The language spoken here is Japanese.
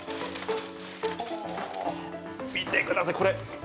見てください、これ。